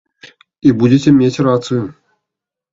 І будзеце мець рацыю.